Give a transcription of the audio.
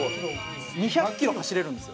２００ｋｍ走れるんですよ。